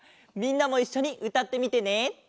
みんなもいっしょにうたってみてね。